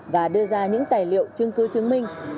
và đưa ra những tài liệu chứng cứ chứng minh